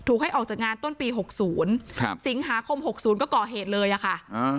ให้ออกจากงานต้นปีหกศูนย์ครับสิงหาคมหกศูนย์ก็ก่อเหตุเลยอะค่ะ